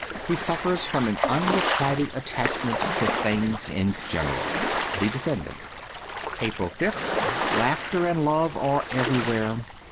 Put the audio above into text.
He suffers from an unrequited attachment to things in general. ' The Defendant i:>S APRIL 5th LAUGHTER and love are everywhere.